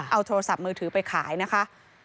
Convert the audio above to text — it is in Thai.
เอาโทรศัพท์มือถือไปขายนะคะ